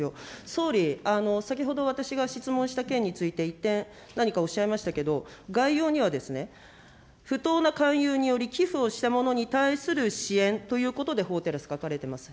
総理、先ほど、私が質問した件について、１点、何かおっしゃいましたけど、概要にはですね、不当な勧誘により寄付をした者に対する支援ということで法テラス、書かれてます。